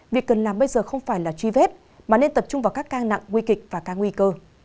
việc cần làm bây giờ không phải là truy vết mà nên tập trung vào các ca nặng nguy kịch và ca nguy cơ